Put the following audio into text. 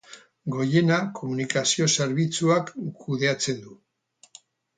Goiena Komunikazio Zerbitzuak kudeatzen du.